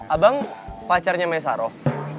abang pacarnya maisaroh